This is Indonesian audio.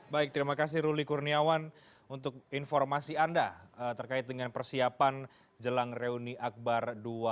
baik terima kasih ruli kurniawan untuk informasi anda terkait dengan persiapan jelang reuni akbar dua ribu dua puluh